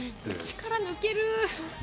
力抜ける。